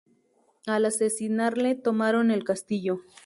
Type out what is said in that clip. Al asesinarle, tomaron el castillo.